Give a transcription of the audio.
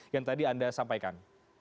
yang tadi anda sampaikan